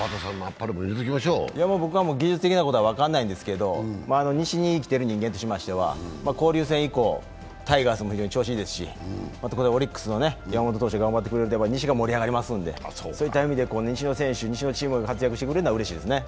僕は技術的なことは分からないんですけど、西に生きている人間としましては交流戦以降、タイガースも調子いいですし、オリックスの山本選手が活躍してくれると西も盛り上がりますので、そういった意味で西の選手、西のチームが活躍してくれるのはうれしいですね。